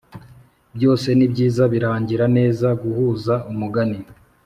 byose nibyiza birangira neza guhuza umugani